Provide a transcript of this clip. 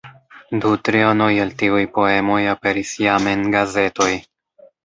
Du trionoj el tiuj poemoj aperis jam en gazetoj.